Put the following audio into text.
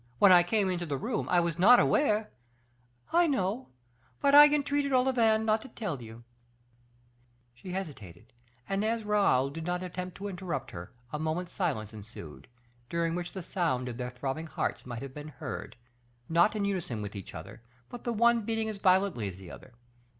When I came into the room I was not aware " "I know but I entreated Olivain not to tell you " She hesitated; and as Raoul did not attempt to interrupt her, a moment's silence ensued, during which the sound of their throbbing hearts might have been heard, not in unison with each other, but the one beating as violently as the other.